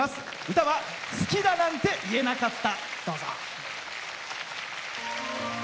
歌は「好きだなんて言えなかった」。